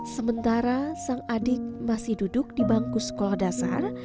sementara sang adik masih duduk di bangku sekolah dasar